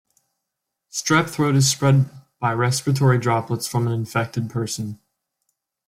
Strep throat is spread by respiratory droplets from an infected person.